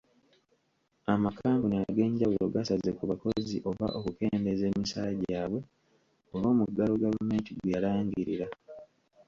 Amakampuni ag'enjawulo gasaze ku bakozi oba okukendeeza emisaala gyabwe olw'omuggalo gavumenti gwe yalangirira.